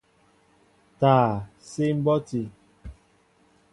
Taa síi mbɔti.